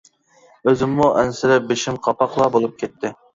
ئۆزۈممۇ ئەنسىرەپ بېشىم قاپاقلا بولۇپ كەتتى.